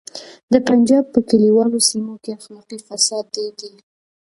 د پنجاب په کلیوالو سیمو کې اخلاقي فساد ډیر دی